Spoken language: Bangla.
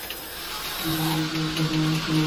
শরিকের কাছে তোমাকে খাটো হতে হবে না।